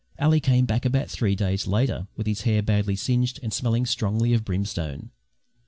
Ally came back about three days later with his hair badly singed and smelling strongly of brimstone.